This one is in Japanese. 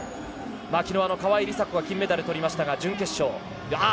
昨日、川井梨紗子が金メダルを取りましたが準決勝。